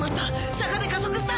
坂で加速した